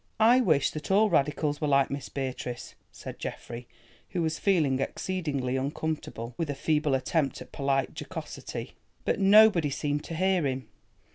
"I wish that all radicals were like Miss Beatrice," said Geoffrey, who was feeling exceedingly uncomfortable, with a feeble attempt at polite jocosity. But nobody seemed to hear him.